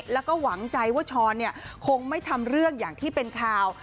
แล้วก็หวังใจว่าช้อนคงไม่ทำเรื่องอย่างที่เป็นข่าว